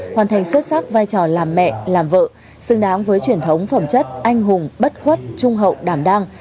hoàn thành xuất sắc vai trò làm mẹ làm vợ xứng đáng với truyền thống phẩm chất anh hùng bất khuất trung hậu đảm đang